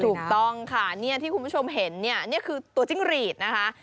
ถูกต้องค่ะเนี่ยที่คุณผู้ชมเห็นเนี่ยนี่คือตัวจิ้งหรีดนะคะ